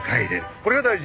これが大事。